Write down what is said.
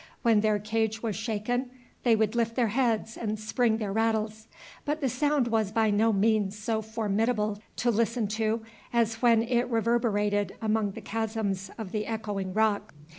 When their cage was shaken, they would lift their heads and spring their rattles; but the sound was by no means so formidable to listen to as when it reverberated among the chasms of the echoing rocks.